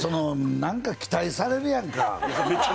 なんか期待されるやんか。